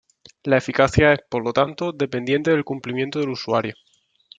La eficacia es, por lo tanto, dependiente del cumplimiento del usuario.